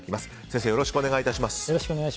先生、よろしくお願いいたします。